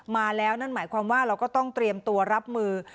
มาแล้วนั่นหมายความว่าเราก็ต้องเตรียมตัวรับมือ